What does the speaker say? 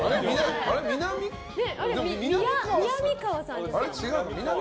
みなみかわさんですよね。